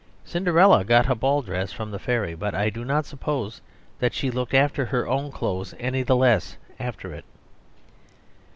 Cinderella got a ball dress from the fairy; but I do not suppose that she looked after her own clothes any the less after it.